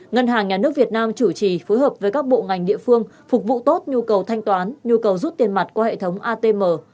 ngân hàng nhà nước việt nam chủ trì phối hợp với các bộ ngành địa phương phục vụ tốt nhu cầu thanh toán nhu cầu rút tiền mặt qua hệ thống atm